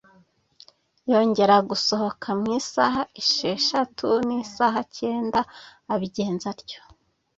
Yongera gusohoka mu isaha esheshatu n’isaha cyenda, abigenza atyo.